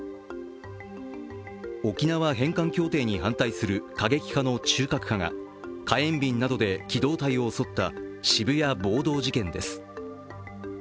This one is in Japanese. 沖縄返還協定に反対する過激派の中核派が火炎瓶などで機動隊を襲った渋谷暴動事件です。